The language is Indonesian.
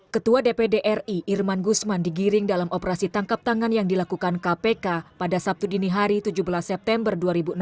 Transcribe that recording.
ketua dpd ri irman gusman digiring dalam operasi tangkap tangan yang dilakukan kpk pada sabtu dini hari tujuh belas september dua ribu enam belas